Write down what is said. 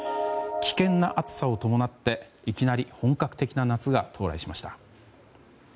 危険な暑さを伴っていきなり本格的な夏が到来しました。